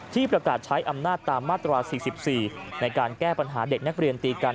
ประกาศใช้อำนาจตามมาตรา๔๔ในการแก้ปัญหาเด็กนักเรียนตีกัน